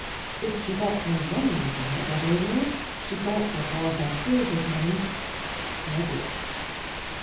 If she got no money from her brother in law, she got what was as good as money credit.